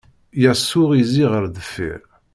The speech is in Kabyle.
Yasuɛ izzi ɣer deffir.